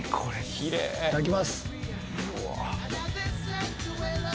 いただきます。